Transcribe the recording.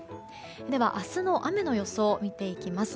では、明日の雨の予想を見ていきます。